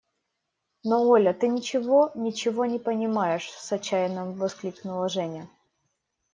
– Но, Оля, ты ничего, ничего не понимаешь! – с отчаянием воскликнула Женя.